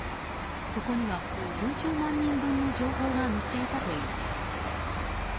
そこには数十万人分の情報が載っていたといいます。